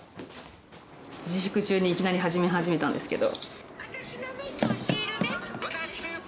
自粛中にいきなり始めたんですけど。